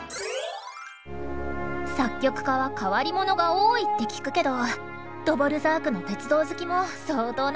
作曲家は変わり者が多いって聞くけどドヴォルザークの鉄道好きも相当なものね。